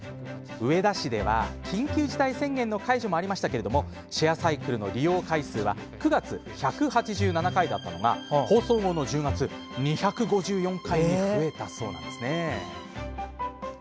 上田市では緊急事態宣言解除もありましたがシェアサイクルの利用回数は９月、１８７回だったのが放送後の１０月は２５４回に増えたそうです。